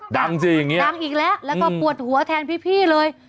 ดังสิอย่างนี้ดังอีกแล้วแล้วก็ปวดหัวแทนพี่เลย